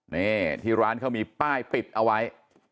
นี่ที่ร้านเขามีป้ายปิดเอาไว้